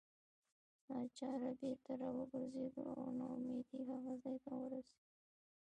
ناچاره بیرته راوګرځېدو او نا امیدۍ هغه ځای ته ورسېدو.